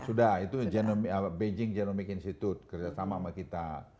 sudah itu beijing genomic institute kerjasama sama kita